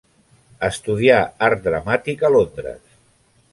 Estudià art dramàtic a Londres.